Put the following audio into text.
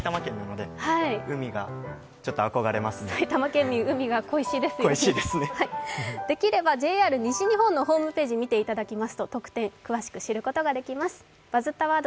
できればＪＲ西日本のホームページを見ていただきますと特典、詳しく知ることができます。